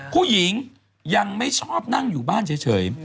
ผู้หญิงยังไม่ชอบนั่งอยู่บ้านเฉย